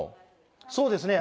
そうですね。